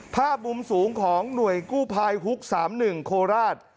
ภาพมุมสูงของหน่วยกู้ภัยฮุก๓๑โคราช